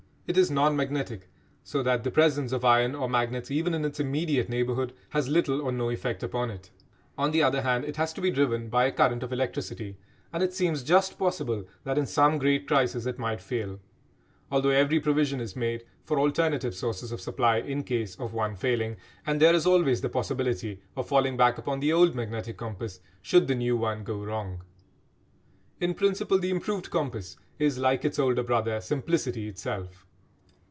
It is non magnetic, so that the presence of iron or magnets even in its immediate neighbourhood has little or no effect upon it. On the other hand, it has to be driven by a current of electricity, and it seems just possible that in some great crisis it might fail, although every provision is made for alternative sources of supply in case of one failing, and there is always the possibility of falling back upon the old magnetic compass should the new one go wrong. In principle the improved compass is, like its older brother, simplicity itself.